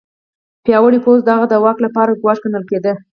پیاوړی پوځ د هغه د واک لپاره ګواښ ګڼل کېده.